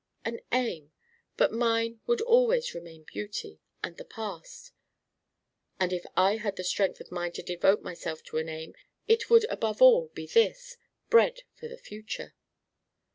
"An aim. But mine would always remain beauty. And the past." "And, if I had the strength of mind to devote myself to an aim, it would above all be this: bread for the future."